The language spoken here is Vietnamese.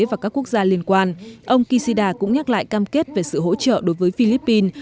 và các quốc gia liên quan ông kishida cũng nhắc lại cam kết về sự hỗ trợ đối với philippines